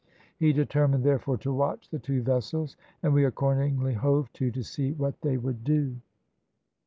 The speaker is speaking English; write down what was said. He determined therefore to watch the two vessels, and we accordingly hove to to see what they would do.